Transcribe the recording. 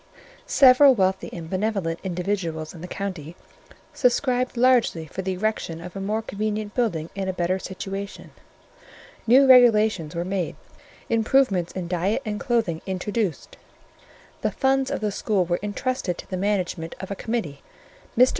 Several wealthy and benevolent individuals in the county subscribed largely for the erection of a more convenient building in a better situation; new regulations were made; improvements in diet and clothing introduced; the funds of the school were intrusted to the management of a committee. Mr.